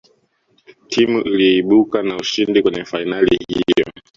timu iliyoibuka na ushindi kwenye fainali hiyo